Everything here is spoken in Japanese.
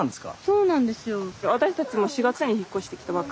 そうなんですよ。